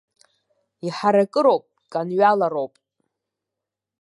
Иҳаракыроуп, кынҩалароуп.